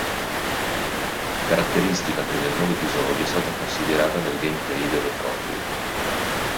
Caratteristica che nel nuovo episodio è stata considerata nel gameplay vero e proprio.